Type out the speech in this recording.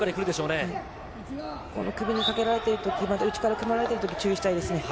この首にかけられてるとき、内から組まれているとき、注意したいですね。